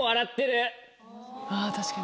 あぁ確かに。